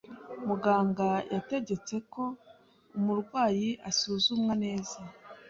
Muganga yategetse ko umurwayi asuzumwa neza.